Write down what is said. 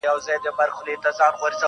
که خدای وکړه هره خوا مي پرې سمېږي.